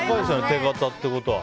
手形ってことは。